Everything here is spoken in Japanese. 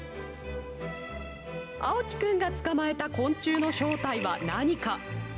蒼貴くんが捕まえた昆虫の正体は何か。